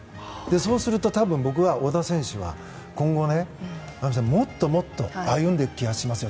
そうすると僕は小田選手は今後もっともっと歩んでいく気がしますよ。